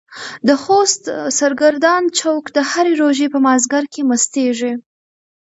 د خوست سرګردان چوک د هرې روژې په مازديګر کې مستيږي.